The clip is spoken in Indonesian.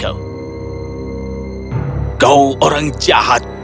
kau orang jahat aku pikir kita pun jahat